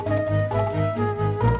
kang darman cuma backup